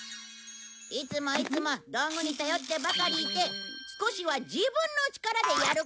いつもいつも道具に頼ってばかりいて少しは自分の力でやることを。